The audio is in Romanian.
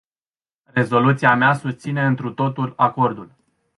Rezoluția mea susține întru totul acordul.